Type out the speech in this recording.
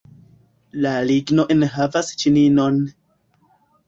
La ligno enhavas ĉininon.